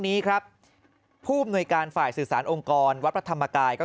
นี้ครับผู้อำนวยการฝ่ายสื่อสารองค์กรวัดพระธรรมกายก็